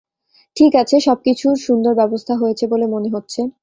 ঠিক আছে, সবকিছুর সুন্দর ব্যবস্থা হয়েছে বলে মনে হচ্ছে।